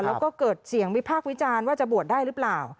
แล้วก็เกิดเสียงวิพากษ์วิจารณ์ว่าจะบวชได้หรือเปล่า